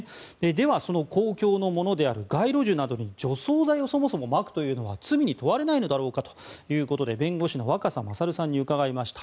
では、その公共のものである街路樹などに除草剤をまくというのは罪に問われないのか弁護士の若狭勝さんに伺いました。